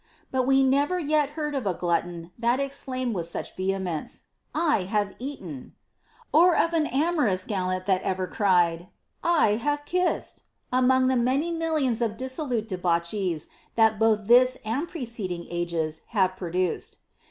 But we never yet heard of a glutton that exclaimed with such vehemence, " I have eaten," or of an amorous gallant that ever cried, " I have kissed," among the many millions of dis solute debauchees that both this and preceding ages have produced.